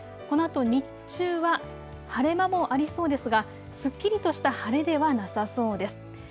このあと日中は晴れ間もありそうですがすっきりとした晴れではなさそうです。